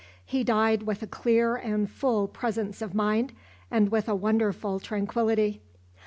He died with a clear and full presence of mind, and with a wonderful tranquillity.